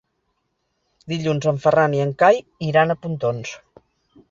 Dilluns en Ferran i en Cai iran a Pontons.